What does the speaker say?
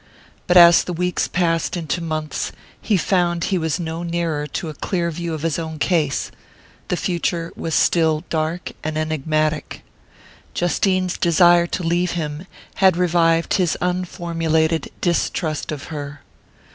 But as the weeks passed into months he found he was no nearer to a clear view of his own case: the future was still dark and enigmatic. Justine's desire to leave him had revived his unformulated distrust of her.